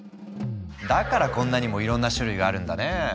だからこんなにもいろんな種類があるんだね。